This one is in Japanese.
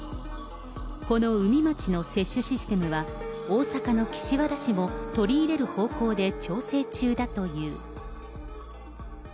この宇美町の接種システムは、大阪の岸和田市も取り入れる方向で調整中だという。